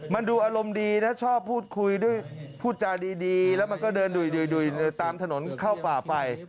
มันดูอารมณ์ดีนะชอบพูดคุยด้วยพูดจาดีแล้วมันก็เดินดุยตามถนนเข้าป่าไป